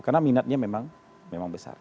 karena minatnya memang memang besar